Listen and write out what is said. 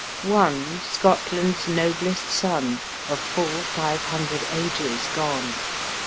One Scotland's noblest son, of full five hundred ages gone!